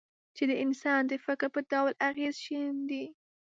چې د انسان د فکر په ډول اغېز شیندي.